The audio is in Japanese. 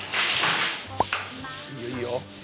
いいよいいよ。